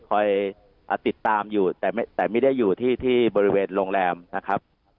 คอยติดตามอยู่แต่ไม่ได้อยู่ที่บริเวณโรงแรมนะครับ